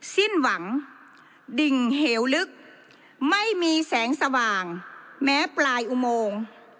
สิ้นหวังดิ่งเหวลึกไม่มีแสงสว่างแม้ปลายอุโมง